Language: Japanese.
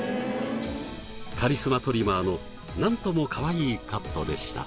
カリスマトリマーのなんともかわいいカットでした。